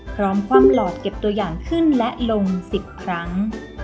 คว่ำหลอดเก็บตัวอย่างขึ้นและลง๑๐ครั้ง